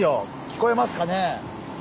聞こえますかね？